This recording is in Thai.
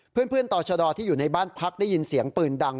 ต่อชะดอที่อยู่ในบ้านพักได้ยินเสียงปืนดัง